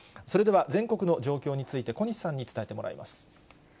それでは全国の状況について、小西さんに伝えてもらいます。